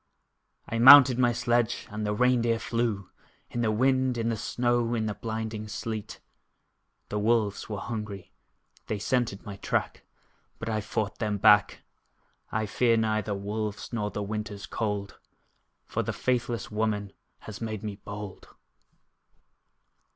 I mounted my sledge, and the rein deer flew, In the wind, in the snow, in the blinding sleet: The wolves were hungry they scented my track But I fought them back! I fear neither wolves, nor the winter's cold, For the faithless woman has made me bold.